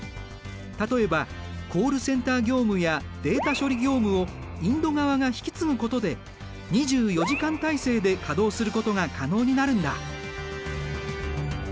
例えばコールセンター業務やデータ処理業務をインド側が引き継ぐことで２４時間体制で稼働することが可能になるんだ。